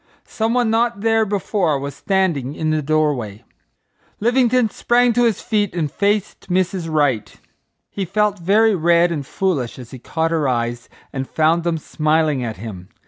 Some one not there before was standing in the doorway. Livingstone sprang to his feet and faced Mrs. Wright. He felt very red and foolish as he caught her eyes and found them smiling at him.